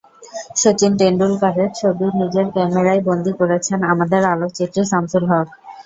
শচীন টেন্ডুলকারের ছবি নিজের ক্যামেরায় বন্দী করেছেন আমাদের আলোকচিত্রী শামসুল হক।